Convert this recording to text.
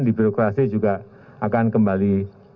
di birokrasi juga akan kembali